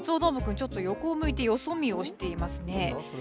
カツオどーもくん、ちょっと横を向いて、よそ見をしていますね。